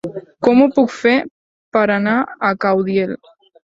Com ho puc fer per anar a Caudiel?